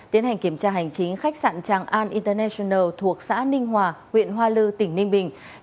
tiến hành kiểm tra hành chính khách sạn tràng an internet thuộc xã ninh hòa huyện hoa lư tỉnh ninh bình